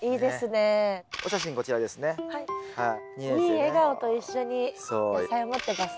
いい笑顔と一緒に野菜持ってますね。